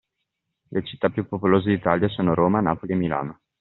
Le città più popolose d'Italia sono Roma, Napoli e Milano.